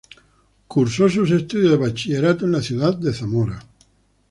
Cursó sus estudios de bachillerato en la ciudad de Zamora.